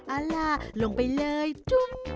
เอาล่ะลงไปเลยจุ้ม